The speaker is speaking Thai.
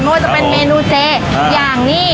ว่าจะเป็นเมนูเจอย่างนี้